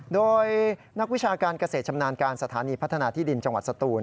โดยนักวิชาการเกษตรชำนาญการสถานีพัฒนาที่ดินจังหวัดสตูน